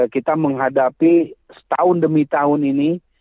kita menghadapi setahun demi tahun ini